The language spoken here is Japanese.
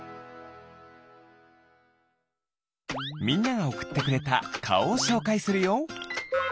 みんながおくってくれたかおをしょうかいするよ。